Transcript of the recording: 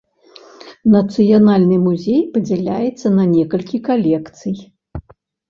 Нацыянальны музей падзяляецца на некалькі калекцый.